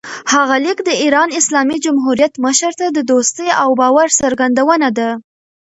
هغه لیک د ایران اسلامي جمهوریت مشر ته د دوستۍ او باور څرګندونه ده.